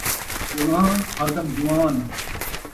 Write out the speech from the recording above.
ڄوان٘ھ ، ہر دم جوان